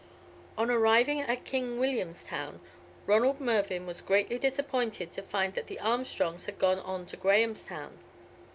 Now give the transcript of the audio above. On arriving at King Williamstown, Ronald Mervyn was greatly disappointed to find that the Armstrongs had gone on to Grahamstown.